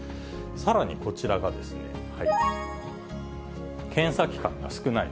さらにこちらがですね、検査機関が少ない。